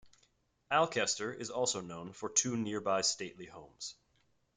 Alcester is also known for two nearby stately homes.